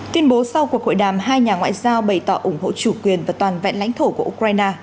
tuyên bố sau cuộc hội đàm hai nhà ngoại giao bày tỏ ủng hộ chủ quyền và toàn vẹn lãnh thổ của ukraine